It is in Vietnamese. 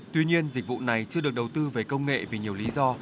tuy nhiên dịch vụ này chưa được đầu tư về công nghệ vì nhiều lý do